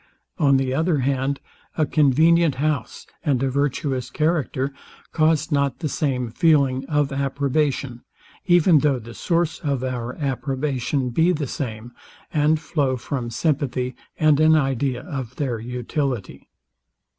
On the other hand, a convenient house, and a virtuous character, cause not the same feeling of approbation; even though the source of our approbation be the same, and flow from sympathy and an idea of their utility.